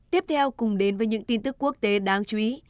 tiếp theo cùng đến với những tin tức quốc tế đáng chú ý